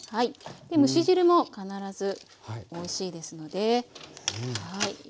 蒸し汁も必ずおいしいですので入れて下さい。